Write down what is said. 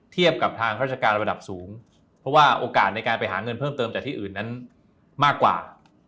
กับทางราชการระดับสูงเพราะว่าโอกาสในการไปหาเงินเพิ่มเติมจากที่อื่นนั้นมากกว่า